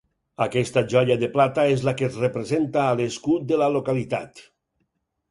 Aquesta joia de plata és la que es representa a l'escut de la localitat.